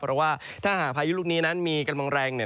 เพราะว่าถ้าหากพายุลูกนี้นั้นมีกำลังแรงเนี่ย